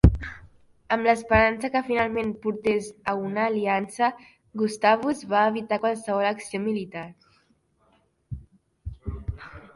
Amb l'esperança que finalment portés a una aliança, Gustavus va evitar qualsevol acció militar.